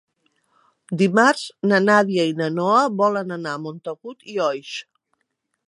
Dimarts na Nàdia i na Noa volen anar a Montagut i Oix.